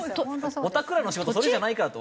おたくらの仕事それじゃないからって。